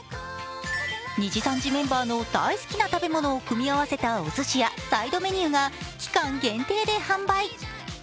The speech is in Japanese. にじさんじメンバーの大好きな食べ物を組み合わせたおすしやサイドメニューが期間限定で販売。